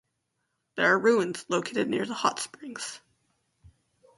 There are ruins located near the hot springs.